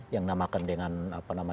yang namakan dengan